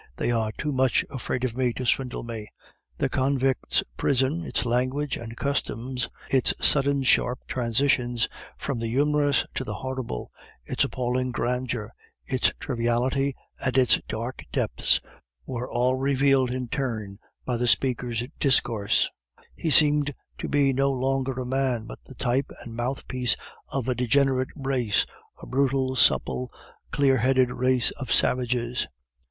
They are too much afraid of me to swindle me." The convicts' prison, its language and customs, its sudden sharp transitions from the humorous to the horrible, its appalling grandeur, its triviality and its dark depths, were all revealed in turn by the speaker's discourse; he seemed to be no longer a man, but the type and mouthpiece of a degenerate race, a brutal, supple, clear headed race of savages.